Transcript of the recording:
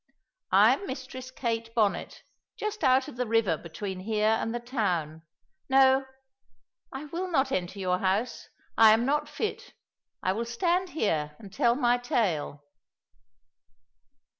I am Mistress Kate Bonnet, just out of the river between here and the town. No, I will not enter your house, I am not fit; I will stand here and tell my tale."